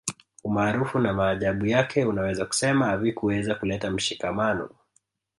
Umaarufu na maajabu yake unaweza kusema havikuweza kuleta mshikamano